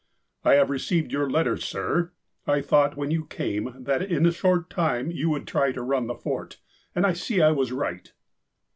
" I have received your letter, sir. I thought, when you came, that in a short time you would try to run the Fort, and I see I was right."